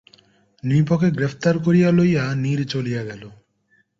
নৃপকে গ্রেফতার করিয়া লইয়া নীর চলিয়া গেল।